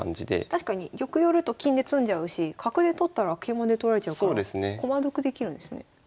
確かに玉寄ると金で詰んじゃうし角で取ったら桂馬で取られちゃうから駒得できるんですね。